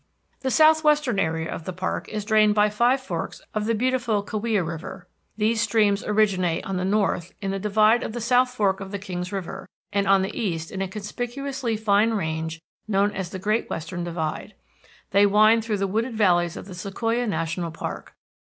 The southwestern area of the park is drained by five forks of the beautiful Kaweah River. These streams originate on the north in the divide of the South Fork of the Kings River, and on the east in a conspicuously fine range known as the Great Western Divide. They wind through the wooded valleys of the Sequoia National Park.